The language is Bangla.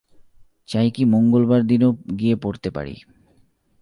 চাই কি মঙ্গলবার দিনও গিয়ে পড়তে পারি।